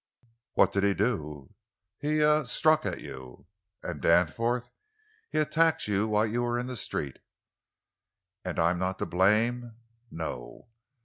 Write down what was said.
"What did he do?" "He—er—struck at you." "And Danforth?" "He attacked you while you were in the street." "And I'm not to blame?" "No."